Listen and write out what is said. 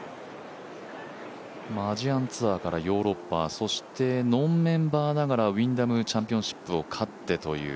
アジアンツアーからヨーロッパそしてノーメンバーながらウィンダムチャンピオンシップを勝ってという。